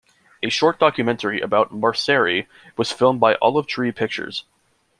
A short documentary about Mauceri was filmed by Olive Tree Pictures.